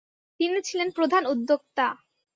তিনি ছিলেন প্রধান উদ্যোক্তা।